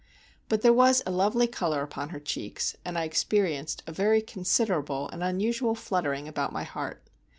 But there was a lovely color upon her cheeks, and I experienced a very considerable and unusual fluttering about my heart.